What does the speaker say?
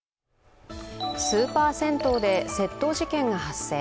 スーパー銭湯で窃盗事件が発生。